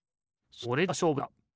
それではしょうぶだ。